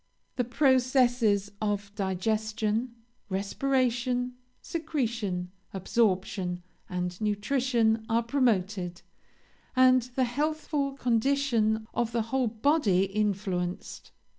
The processes of digestion, respiration, secretion, absorption, and nutrition, are promoted, and the healthful condition of the whole body influenced.